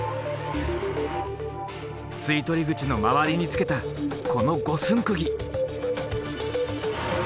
吸い取り口の周りにつけたこの五寸釘。